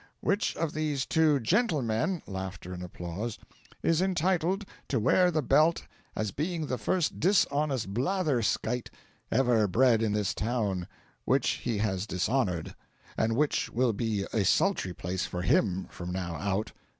which of these two gentlemen (laughter and applause) is entitled to wear the belt as being the first dishonest blatherskite ever bred in this town which he has dishonoured, and which will be a sultry place for him from now out!"